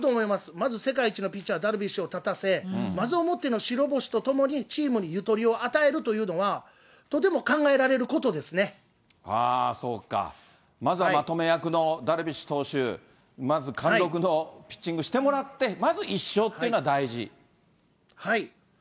まず世界一のピッチャー、ダルビッシュを立たせ、まずもっての白星とともに、チームにゆとりを与えるというのは、そうか、まずはまとめ役のダルビッシュ投手、まず貫禄のピッチングしてもらって、はい。